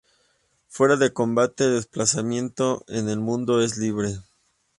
Fuera de combate, el desplazamiento en el mundo es libre.